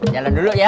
jalan dulu ya